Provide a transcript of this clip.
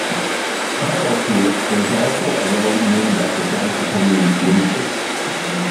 Parallel to it also is a road named after Francis Henry Loseby.